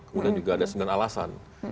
kemudian juga ada sembilan alasan